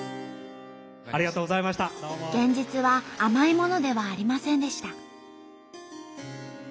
現実は甘いものではありませんでした。